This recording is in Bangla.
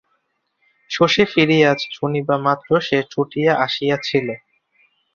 শশী ফিরিয়াছে শুনিবামাত্র সে ছুটিয়া আসিয়াছিল।